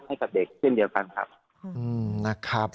ให้กับเด็กเช่นเดียวกันครับนะครับ